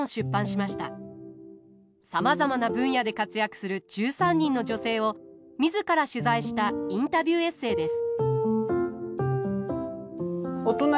さまざまな分野で活躍する１３人の女性を自ら取材したインタビューエッセーです。